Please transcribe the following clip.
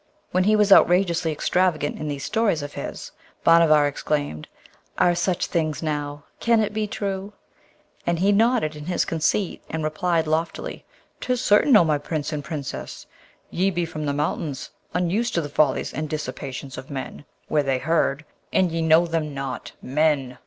When he was outrageously extravagant in these stories of his, Bhanavar exclaimed, 'Are such things, now? can it be true?' And he nodded in his conceit, and replied loftily, ''Tis certain, O my Prince and Princess! ye be from the mountains, unused to the follies and dissipations of men where they herd; and ye know them not, men!'